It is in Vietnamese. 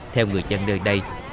theo người dân nơi đây